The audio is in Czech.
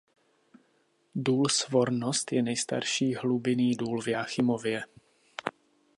Důl Svornost je nejstarší hlubinný důl v Jáchymově.